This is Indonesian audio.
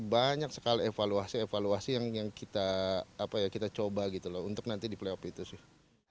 banyak sekali evaluasi evaluasi yang kita coba gitu loh untuk nanti di playoff itu sih